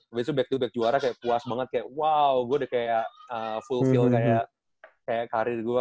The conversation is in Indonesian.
abis itu back to back juara kayak puas banget kayak wow gue udah kayak full feel kayak karir gue